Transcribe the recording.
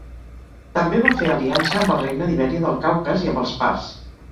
També va fer aliança amb el Regne d'Ibèria del Caucas i amb els parts.